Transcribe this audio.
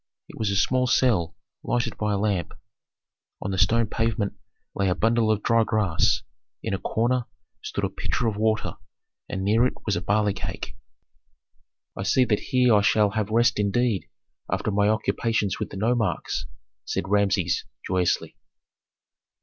It was a small cell lighted by a lamp. On the stone pavement lay a bundle of dry grass; in a corner stood a pitcher of water, and near it was a barley cake. "I see that here I shall have rest indeed after my occupations with the nomarchs," said Rameses, joyously.